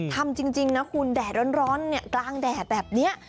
ทำจริงนะคุณแดดร้อนกลางแดดแบบนี้